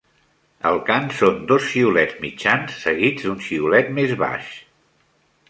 El cant són dos xiulets mitjans seguits d'un xiulet més baix.